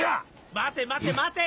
待て待て待て